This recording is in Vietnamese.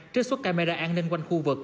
trích xuất camera an ninh quanh khu vực